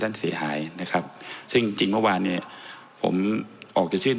ท่านจะวินิจฉัยมานั้นนะครับซึ่ง